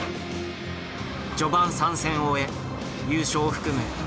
序盤３戦を終え優勝を含む